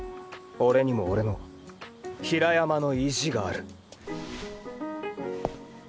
俺にも俺の比良山の意地がある。